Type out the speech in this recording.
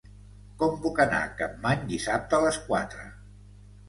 Com puc anar a Capmany dissabte a les quatre?